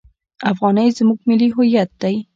افغانۍ زموږ ملي هویت دی.